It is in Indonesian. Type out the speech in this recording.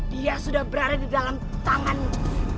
dia sudah berada di dalam tanganmu